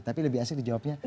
tapi lebih asli jawabnya